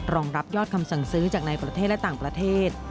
รองรับยอดคำสั่งซื้อจากในประเทศและต่างประเทศ